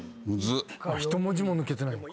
１文字も抜けてないのか。